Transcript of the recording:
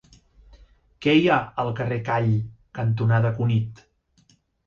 Què hi ha al carrer Call cantonada Cunit?